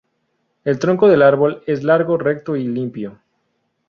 El tronco del árbol es largo, recto y limpio.